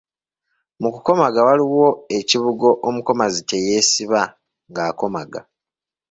Mu kukomaga waliwo ekibugo omukomazi kye yeesiba ng’akomaga.